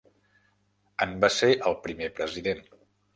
En va ser el primer president.